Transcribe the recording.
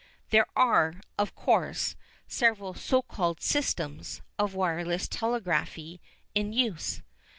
There are, of course, several so called "systems" of wireless telegraphy in use.